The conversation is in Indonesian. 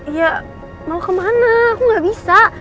iya mau kemana aku gak bisa